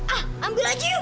ah ambil aja yuk